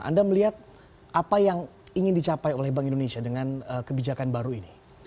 anda melihat apa yang ingin dicapai oleh bank indonesia dengan kebijakan baru ini